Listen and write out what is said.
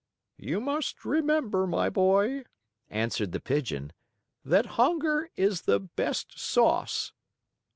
"You must remember, my boy," answered the Pigeon, "that hunger is the best sauce!"